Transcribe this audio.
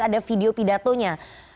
ada video pidatonya